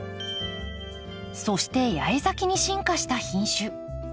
そして八重咲きに進化した品種。